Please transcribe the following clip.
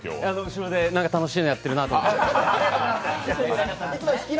後ろで、なんか楽しいのやってるなって。